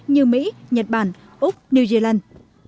như mỹ nhật bản úc new zealand